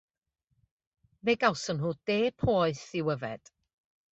Fe gawson nhw de poeth i'w yfed.